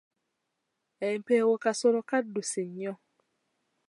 Empeewo kasolo kaddusi nnyo.